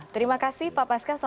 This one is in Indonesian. terima kasih pak paska selamat malam